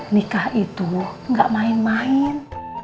nikah itu gak main main